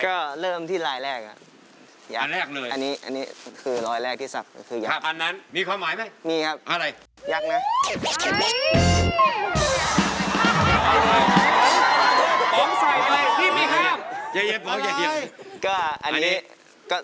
ก็เริ่มที่รอยแรก